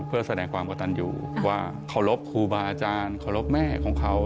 เพื่อแสดงความกระตันอยู่ว่าเคารพครูบาอาจารย์เคารพแม่ของเขา